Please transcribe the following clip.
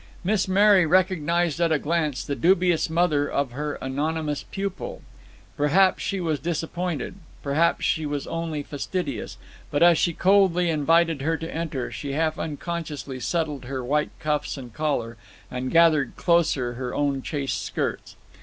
Miss Mary recognized at a glance the dubious mother of her anonymous pupil. Perhaps she was disappointed, perhaps she was only fastidious; but as she coldly invited her to enter, she half unconsciously settled her white cuffs and collar, and gathered closer her own chaste skirts.